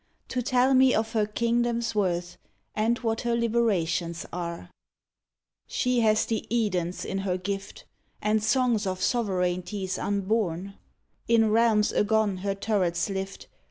To tell me of her kingdom's worth And what her liberations are: She hath the Edens in her gift And songs of sovereignties unborn; In realms agone her turrets lift.